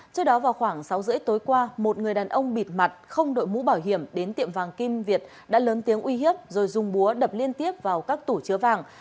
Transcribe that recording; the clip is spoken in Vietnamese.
trước đó vào khoảng sáu h ba mươi tối qua một người đàn ông bịt mặt không đội mũ bảo hiểm đến tiệm vàng kim việt đã lớn tiếng uy hiếp rồi dùng búa đập liên tiếp vào các tủ chứa vàng